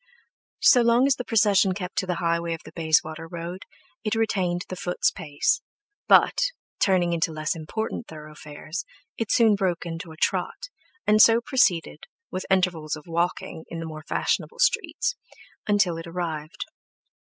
So long as the procession kept to the highway of the Bayswater Road, it retained the foot's pace, but, turning into less important thorough fares, it soon broke into a trot, and so proceeded, with intervals of walking in the more fashionable streets, until it arrived.